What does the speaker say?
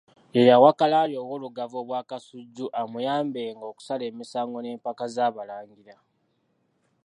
Ye yawa Kalali ow'Olugave Obwakasujju amuyambenga okusala emisango n'empaka z'Abalangira.